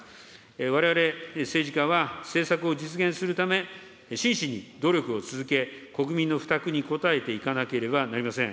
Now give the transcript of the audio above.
われわれ政治家は、政策を実現するため、真摯に努力を続け、国民の負託にこたえていかなければなりません。